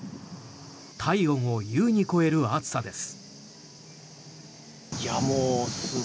体温を優に超える暑さです。